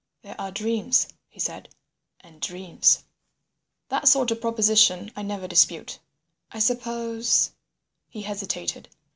"There are dreams," he said, "and dreams." That sort of proposition I never dispute. "I suppose—" he hesitated.